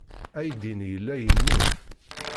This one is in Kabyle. Aydi-nni yella yemmut.